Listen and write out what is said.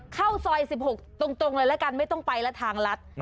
เข้าซอย๑๖ตรงเลยละกันไม่ต้องไปแล้วทางลัด